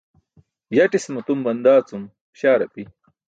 Yatis matum bandaa cum śaar api.